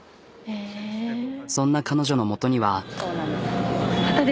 そんな彼女の元には。